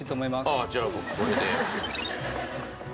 ああじゃあ僕これで。